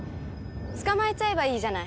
捕まえちゃえばいいじゃない。